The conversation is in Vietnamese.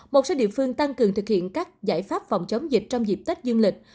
một số địa phương tăng cường thực hiện các giải pháp phòng chống dịch trong dịp tết dương lịch